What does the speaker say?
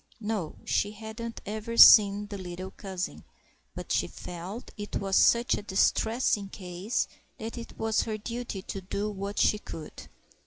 No, she hadn't ever seen the little cousin, but she felt it was such a distressing case that it was her duty to do what she could.